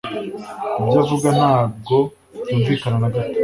Ibyo avuga ntabwo byumvikana na gato.